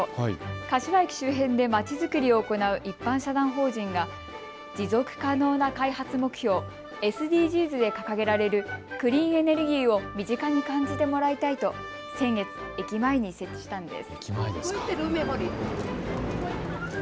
柏駅周辺でまちづくりを行う一般社団法人が持続可能な開発目標、ＳＤＧｓで掲げられるクリーンエネルギーを身近に感じてもらいたいと先月、駅前に設置したんです。